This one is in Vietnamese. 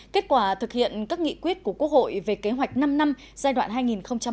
kết quả thực hiện các nghị quyết của quốc hội về kế hoạch năm năm giai đoạn hai nghìn một mươi sáu hai nghìn hai mươi